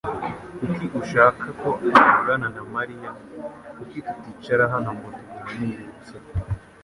Kuki ushaka ko avugana na Mariya? Kuki tuticara hano ngo tuganire gusa?